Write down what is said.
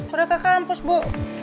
udah kakak hampus bu